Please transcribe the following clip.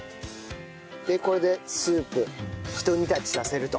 これでスープひと煮立ちさせると。